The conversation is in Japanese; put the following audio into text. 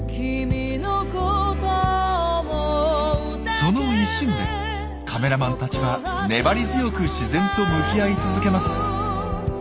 その一心でカメラマンたちは粘り強く自然と向き合い続けます。